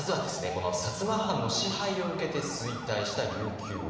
この摩藩の支配を受けて衰退した琉球王国。